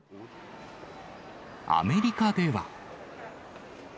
アメリカでは。